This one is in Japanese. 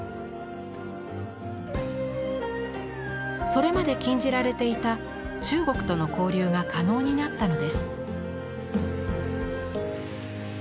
それまで禁じられていた中国との交流が可能になったのです。